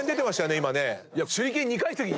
今ね。